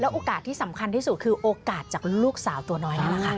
โอกาสที่สำคัญที่สุดคือโอกาสจากลูกสาวตัวน้อยนั่นแหละค่ะ